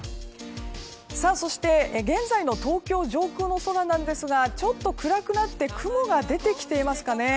そして現在の東京上空の空なんですがちょっと暗くなって雲が出てきてますかね。